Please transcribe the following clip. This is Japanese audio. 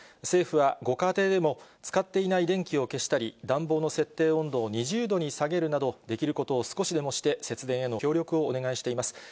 政府はご家庭でも使っていない電気を消したり、暖房の設定温度を２０度に下げるなど、できることを少しでもして、節電への協力をお願いしています。